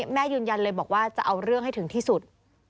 ยืนยันเลยบอกว่าจะเอาเรื่องให้ถึงที่สุด